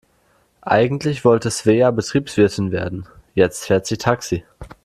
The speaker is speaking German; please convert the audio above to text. Eigentlich wollte Svea Betriebswirtin werden, jetzt fährt sie Taxi.